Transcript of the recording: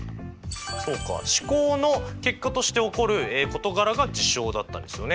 そうか試行の結果として起こる事柄が事象だったんですよね。